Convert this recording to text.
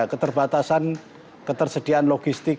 keterbatasan ketersediaan logistik